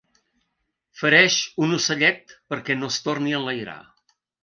Fereix un ocellet perquè no es torni a enlairar.